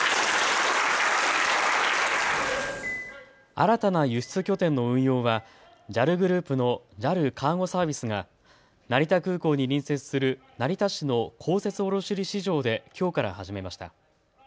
新たな輸出拠点の運用はＪＡＬグループのＪＡＬカーゴサービスが成田空港に隣接する成田市の公設卸売市場できょうから始めました。